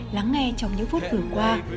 lắng nghe trong những phút vừa qua